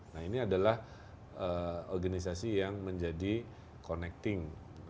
nah ini adalah organisasi yang menjadi connecting